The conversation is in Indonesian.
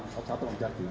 satu om jati ya